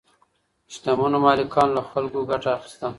شتمنو مالکانو له خلګو ګټه اخیسته.